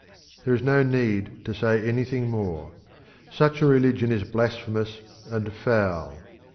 There is no need to say anything more. Such a religion is blasphemous and foul.